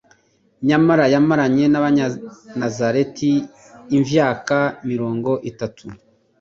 nyamara yamaranye n'Abanyanazareti imvaka mirongo itatu.